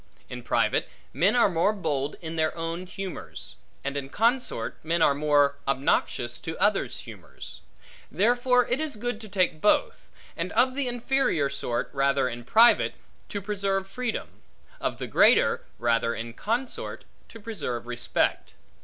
In private, men are more bold in their own humors; and in consort, men are more obnoxious to others' humors; therefore it is good to take both; and of the inferior sort, rather in private, to preserve freedom; of the greater, rather in consort, to preserve respect.